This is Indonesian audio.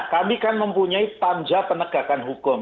kami kan mempunyai panja penegakan hukum